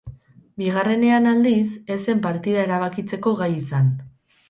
Bigarrenean, aldiz, ez zen partida erabakitzeko gai izan.